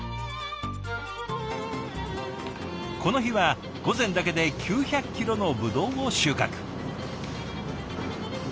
この日は午前だけで９００キロのブドウを収穫。